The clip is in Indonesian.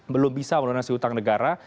belum bisa melunasi utang negara